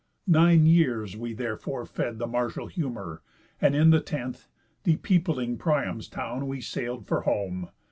Nine years we therefore fed the martial humour, And in the tenth, de peopling Priam's town, We sail'd for home.